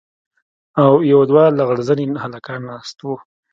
او يو دوه لغړ زني هلکان ناست دي.